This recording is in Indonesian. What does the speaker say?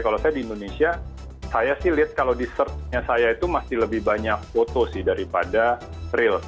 kalau saya di indonesia saya sih lihat kalau di searchnya saya itu masih lebih banyak foto sih daripada real